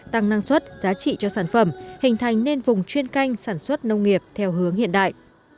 tăng năng suất giá trị cho sản phẩm hình thành nên vùng chuyên canh sản xuất nông nghiệp theo hướng hiện đại